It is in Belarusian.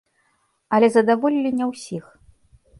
Але задаволілі не ўсіх.